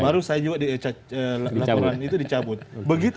baru saya juga laporan itu dicabut